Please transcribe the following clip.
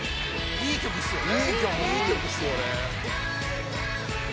いい曲っすよね」